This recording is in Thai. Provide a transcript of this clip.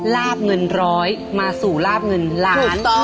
ราบเงิน๑๐๐มาสู่ราบเงิน๑ล้าน